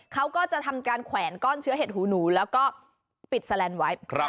เขาก็จะทำการแขวนก้อนเชื้อเห็ดหูหนูแล้วก็ปิดแสลนด์ไว้